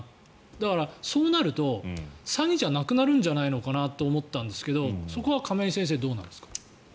だから、そうなると詐欺じゃなくなるんじゃないかなと思ったんですがそこは亀井先生どうなんですか？